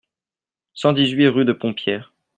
cent dix-huit rue de Pont Pierre